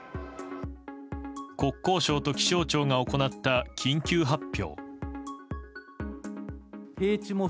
国交省と気象庁が行った緊急発表。